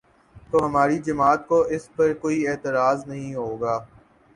تو ہماری جماعت کو اس پر کوئی اعتراض نہیں ہو گا۔